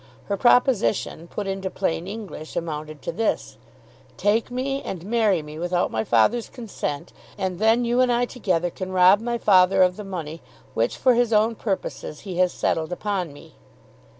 Her proposition, put into plain English, amounted to this: "Take me and marry me without my father's consent, and then you and I together can rob my father of the money which, for his own purposes, he has settled upon me."